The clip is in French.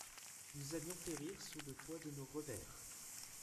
Nous allions périr sous le poids de nos revers.